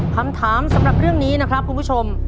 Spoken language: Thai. คำถามสำหรับเรื่องนี้นะครับคุณผู้ชม